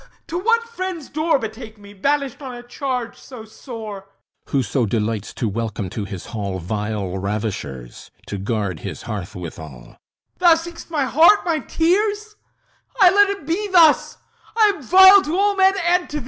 To what friend's door Betake me, banished on a charge so sore? THESEUS Whoso delights to welcome to his hall Vile ravishers ... to guard his hearth withal! HIPPOLYTUS Thou seekst my heart, my tears? Aye, let it be Thus! I am vile to all men, and to thee!